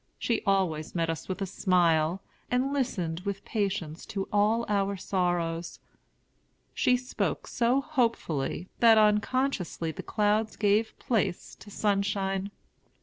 She always met us with a smile, and listened with patience to all our sorrows. She spoke so hopefully, that unconsciously the clouds gave place to sunshine.